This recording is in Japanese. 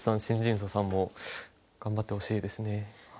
シンジンソさんも頑張ってほしいですね。